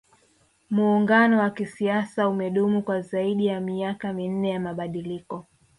muungano wa kisiasa umedumu kwa zaidi ya miaka minne ya mabadiliko